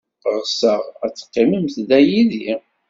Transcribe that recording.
Ɣseɣ ad teqqimemt da, yid-i.